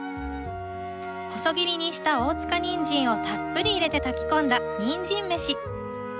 細切りにした大塚にんじんをたっぷり入れて炊き込んだ「にんじん飯」。